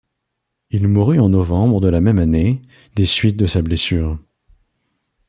Il mourut en novembre de la même année, des suites de sa blessure.